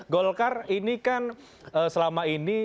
golkar ini kan selama ini